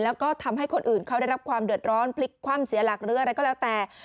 แล้วก็ทำให้คนอื่นเขาได้รับความเดือดร้อนพลิกคว่ำเสียหลักหรืออะไรก็แล้วแต่